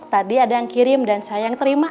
tadi ada yang kirim dan saya yang terima